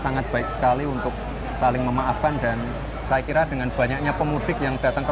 sangat baik sekali untuk saling memaafkan dan saya kira dengan banyaknya pemudik yang datang ke